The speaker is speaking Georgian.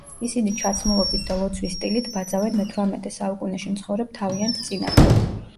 ისინი ჩაცმულობით და ლოცვის სტილით ბაძავენ მეთვრამეტე საუკუნეში მცხოვრებ თავიანთ წინაპრებს.